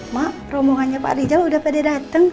mak romongannya pak rija udah pada dateng